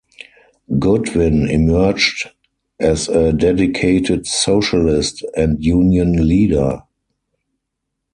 Goodwin emerged as a dedicated socialist and union leader.